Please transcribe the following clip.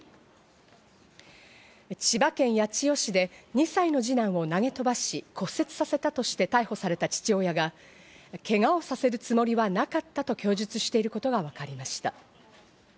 千葉県八千代市で２歳の二男を投げ飛ばし、骨折させたとして逮捕された父親が、けがをさせるつもりはなかったと供述していることがわかりました。